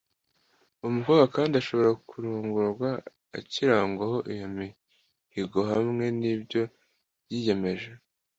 uwo mukobwa kandi ashobora kurongorwa akirangwaho iyo mihigo hamwe n’ibyo yiyemeje